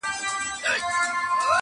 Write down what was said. سر له کتابه کړه راپورته!